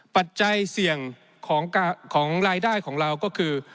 ปัจจัยเสี่ยงของรายได้ของเราก็คือ